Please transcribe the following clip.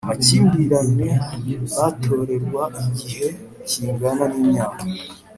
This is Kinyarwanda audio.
amakimbirane batorerwa igihe kingana n imyaka